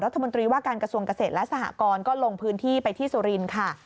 รัฐมนตรีว่าการกระทรวงเกษตรและสหกรก็ลงพื้นที่ไปที่สุรินทร์ค่ะ